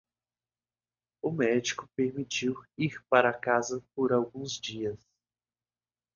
O médico a permitiu ir para casa por alguns dias.